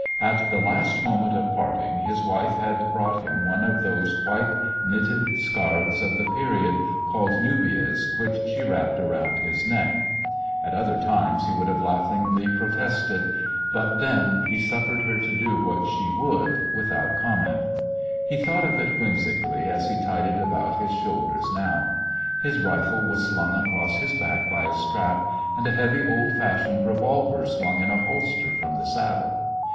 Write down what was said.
At the last moment of parting his wife had brought him one of those white, knitted scarfs of the period, called nubias, which she wrapped about his neck. At other times he would have laughingly protested, but then he suf fered her to do what she would with out comment. He thought of it A Christmas When whimsically as he tied it about his shoulders now. His rifle was slung across his back by a strap, and a heavy, old fashioned revolver swung in a holster from the saddle.